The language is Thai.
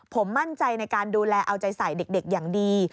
ผมมั่นใจในการดูแลเอาใจใส่เด็กอย่างดี